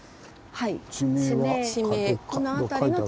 はい。